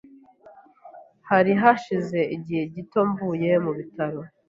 harihashize igihe gito mvuye mu bitaro